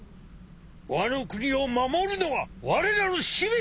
ワノ国を守るのがわれらの使命。